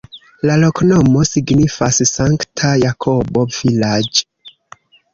La loknomo signifas: Sankta-Jakobo-vilaĝ'.